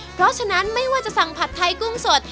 เพราะฉะนั้นไม่ว่าจะสั่งผัดไทยกุ้งสด